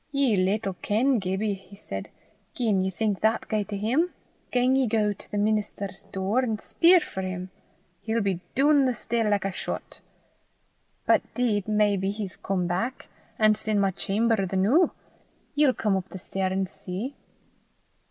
"Ye little ken Gibbie," he said "gien ye think that gait o' 'im! Gang ye to the minister's door and speir for 'im! He'll be doon the stair like a shot. But 'deed maybe he's come back, an' 's i' my chaumer the noo! Ye'll come up the stair an' see?"